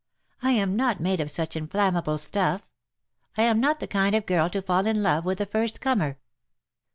I am not made of such inflam mable stuff" — I am not the kind of girl to fall in love with the first comer."